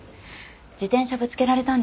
自転車ぶつけられたんです。